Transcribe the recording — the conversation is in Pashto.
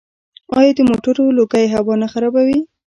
آیا د موټرو لوګی هوا نه خرابوي؟